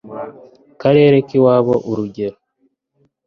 karere k iwabo urugero